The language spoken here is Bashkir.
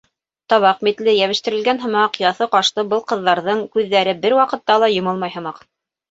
Табаҡ битле, йәбештерелгән һымаҡ яҫы ҡашлы был ҡыҙҙарҙың күҙҙәре бер ваҡытта ла йомолмай һымаҡ.